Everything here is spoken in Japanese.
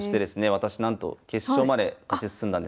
私なんと決勝まで勝ち進んだんですよ。